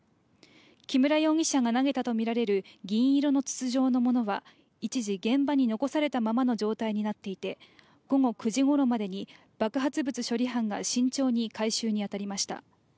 木村容疑者が投げたとみられる銀色の筒状のものは一時現場に残されたままの状態になっていて午後９時ごろまでに爆発物処理班が慎重に回収に当たりました。